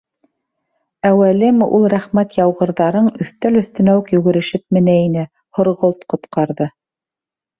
Әүәлеме, ул «рәхмәт яуғырҙар»ың өҫтәл өҫтөнә үк йүгерешеп менә ине, Һорғолт ҡотҡарҙы...